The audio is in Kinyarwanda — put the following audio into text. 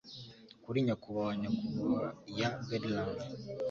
Kuri nyakubahwa nyakubahwa ya Bedlam